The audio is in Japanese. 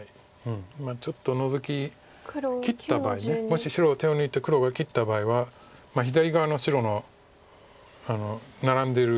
ちょっとノゾキ切った場合もし白が手を抜いて黒が切った場合は左側の白のナラんでる